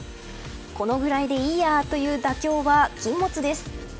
このぐらいでいいやという妥協は禁物です。